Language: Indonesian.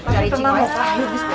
tengah mau ke sana